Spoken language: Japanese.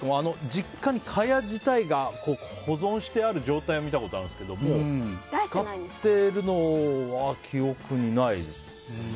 実家に蚊帳自体が保存してある状態は見たことあるんですけど使ってるのは記憶にないですね。